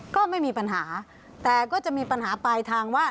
ก็ไม่มีปัญหาแต่ก็จะมีปัญหาปลายทางว่า